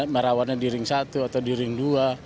merawatnya di ring satu atau di ring dua